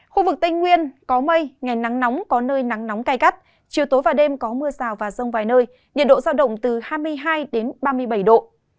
khu vực tây nguyên có mây ngày nắng nóng có nơi nắng nóng gai gắt chiều tối và đêm có mưa rào và rông vài nơi nhiệt độ giao động từ hai mươi hai ba mươi bảy độ